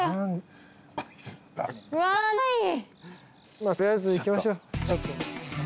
まあとりあえず行きましょう。